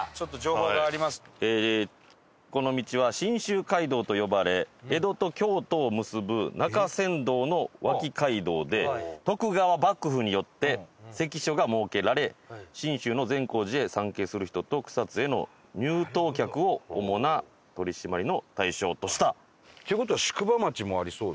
この道は信州街道と呼ばれ江戸と京都を結ぶ中山道の脇街道で徳川幕府によって関所が設けられ信州の善光寺へ参詣する人と草津への入湯客を主な取り締まりの対象とした。という事は宿場町もありそうですね。